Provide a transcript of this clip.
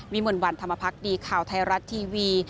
มนต์วันธรรมพักดีข่าวไทยรัฐทีวี